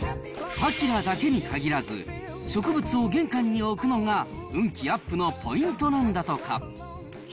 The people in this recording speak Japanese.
パキラだけに限らず、植物を玄関に置くのが、運気アップのポイントなんだとか。